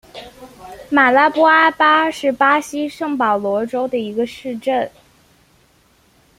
马拉波阿马是巴西圣保罗州的一个市镇。